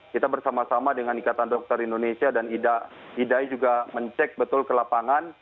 kita bersama sama dengan ikatan dokter indonesia dan idai juga mencek betul ke lapangan